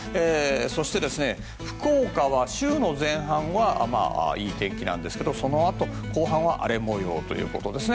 そして、福岡は週の前半はいい天気なんですけどそのあと後半は荒れ模様ということです。